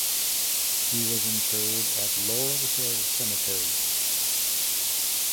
He was interred at Laurel Hill Cemetery.